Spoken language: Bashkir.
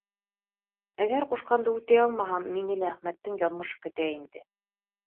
Әгәр ҡушҡанды үтәй алмаһам, мине лә Әхмәттең яҙмышы көтә инде.